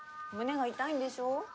胸が痛いんでしょ？